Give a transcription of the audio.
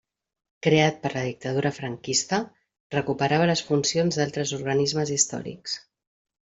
Creat per la Dictadura franquista, recuperava les funcions d'altres organismes històrics.